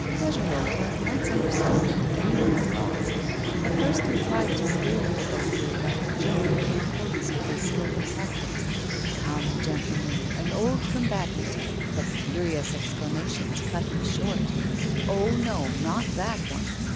Fagerolles at once understood that the game was lost. At first he tried to spirit the vote away by a joke, in accordance with his skilful tactics: 'Come, gentlemen, an old combatant ' But furious exclamations cut him short. Oh, no! not that one.